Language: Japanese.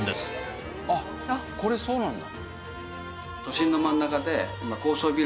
あっこれそうなんだ。